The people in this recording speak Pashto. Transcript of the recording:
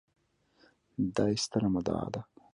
دا يې ستره مدعا ده